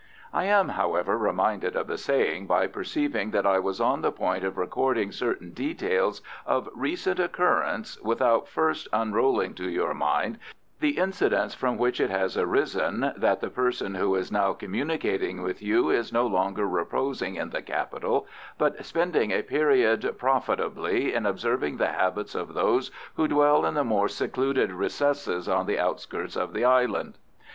I am, however, reminded of the saying by perceiving that I was on the point of recording certain details of recent occurrence without first unrolling to your mind the incidents from which it has arisen that the person who is now communicating with you is no longer reposing in the Capital, but spending a period profitably in observing the habits of those who dwell in the more secluded recesses on the outskirts of the Island.